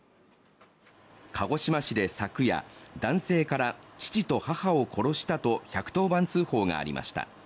鹿児島市で昨夜、男性から父と母を殺したと１１０番通報がありました。